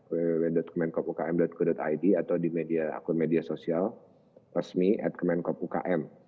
www kemenkopukm co id atau di akun media sosial resmi at kemenkopukm